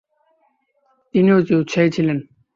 তিনি অতি উৎসাহী ছিলেন।